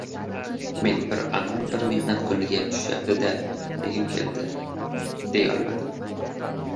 Men bir anor bir mehnat kuniga tushayapti-da, degim keldi — deyolmadim.